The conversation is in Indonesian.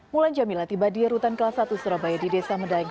mulan jamila tiba di rutan kelas satu surabaya di desa medaeng